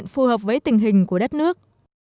phù hợp với tình hình của đất nước